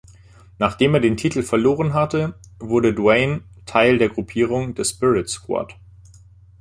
Nachdem er den Titel verloren hatte, wurde Doane Teil der Gruppierung „The Spirit Squad“.